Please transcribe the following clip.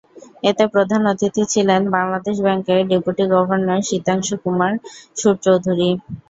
এতে প্রধান অতিথি ছিলেন বাংলাদেশ ব্যাংকের ডেপুটি গভর্নর সিতাংশু কুমার সুর চৌধুরী।